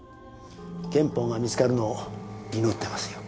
原本が見つかるのを祈ってますよ。